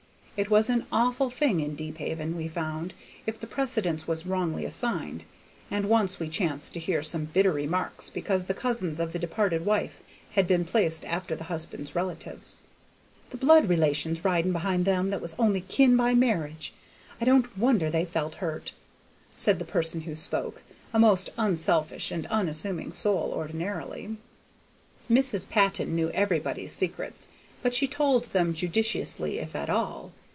It was an awful thing in Deephaven, we found, if the precedence was wrongly assigned, and once we chanced to hear some bitter remarks because the cousins of the departed wife had been placed after the husband's relatives, "the blood relations ridin' behind them that was only kin by marriage! I don't wonder they felt hurt!" said the person who spoke; a most unselfish and unassuming soul, ordinarily. Mrs. Patton knew everybody's secrets, but she told them judiciously if at all.